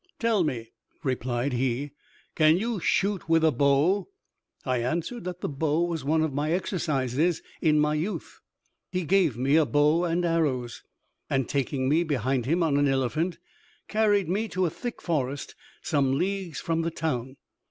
"Tell me," replied he, "can you shoot with a bow?" I answered that the bow was one of my exercises in my youth. He gave me a bow and arrows, and, taking me behind him on an elephant, carried me to a thick forest some leagues from the town.